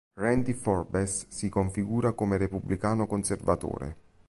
Randy Forbes si configura come repubblicano conservatore.